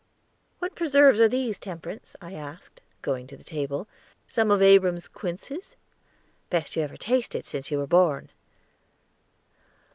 "What preserves are these, Temperance?" I asked, going to the table. "Some of Abram's quinces?" "Best you ever tasted, since you were born."